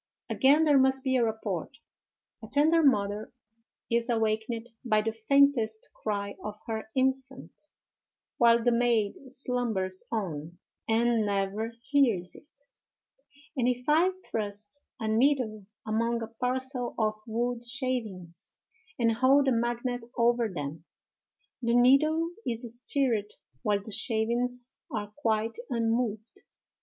Again, there must be a rapport. A tender mother is awakened by the faintest cry of her infant, while the maid slumbers on and never hears it; and if I thrust a needle among a parcel of wood shavings, and hold a magnet over them, the needle is stirred while the shavings are quite unmoved.